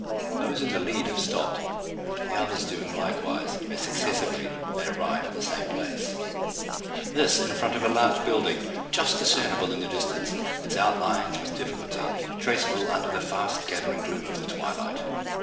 Those in the lead have stopped; the others doing likewise, as, successively, they arrive at the same place. This in front of a large building, just discernible in the distance, its outlines with difficulty traceable under the fast gathering gloom of the twilight.